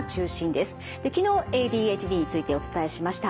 で昨日ＡＤＨＤについてお伝えしました。